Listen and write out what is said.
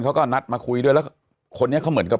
เขาก็นัดมาคุยด้วยแล้วคนนี้เขาเหมือนกับ